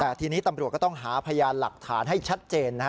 แต่ทีนี้ตำรวจก็ต้องหาพยานหลักฐานให้ชัดเจน